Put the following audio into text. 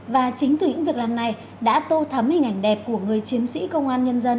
và chính từ những việc làm này đã tô thắm hình ảnh đẹp của người chiến sĩ công an nhân dân